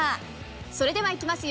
それではいきますよ。